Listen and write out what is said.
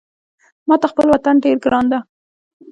ماته خپل وطن ډېر ګران ده